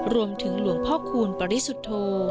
รวมถึงหลวงพ่อคูณปริศุโธ